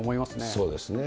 そうですね。